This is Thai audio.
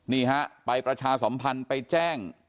นี่ฮะไปประชาสัมพันธ์ไปแจ้ง